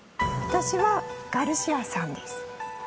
私はガルシアさんです。